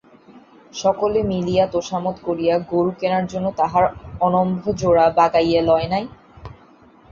সকলে মিলিয়া তোষামোদ করিয়া গোরু কেনার জন্য তাহার অনম্ভজোড়া বাগাইয়া লয় নাই?